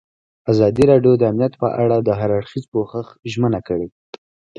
ازادي راډیو د امنیت په اړه د هر اړخیز پوښښ ژمنه کړې.